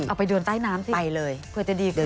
เอาไปเดินใต้น้ำสิไปเลยเผื่อจะดีกว่า